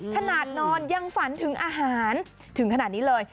ขนาดนอนยังฝันถึงอาหารถึงขนาดนี้เลย